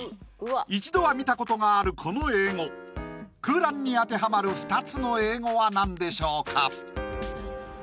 一度は見たことがあるこの英語空欄に当てはまる２つの英語は何でしょうか？